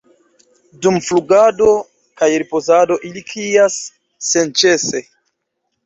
Dum flugado kaj ripozado ili krias senĉese.